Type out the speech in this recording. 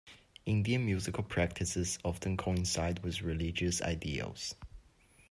Indian musical practices often coincide with religious ideals.